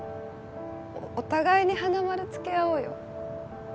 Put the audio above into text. お互いに花丸つけ合おうよ